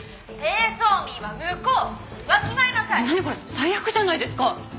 最悪じゃないですか！